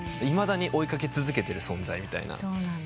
いまだに追い掛け続けてる存在みたいな。